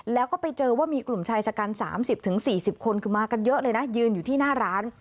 แล้วก็ไปเจอว่ามีกลุ่มชายชะกัน๓๐๔๐คนคือมากันเยอะเลยนะยืนอยู่ที่หน้าร้าน